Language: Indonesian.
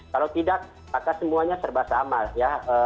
kalau tidak maka semuanya serba sama ya